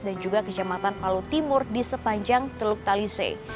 dan juga kecamatan palu timur di sepanjang teluk talise